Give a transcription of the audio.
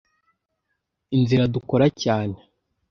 Inzira dukora cyane.